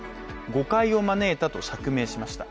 誤解を招いたと釈明しました。